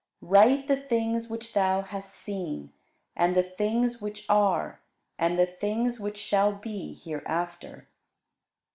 Write the things which thou hast seen, and the things which are, and the things which shall be hereafter.